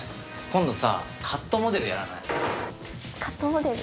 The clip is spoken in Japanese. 今度さカットモデルやらない？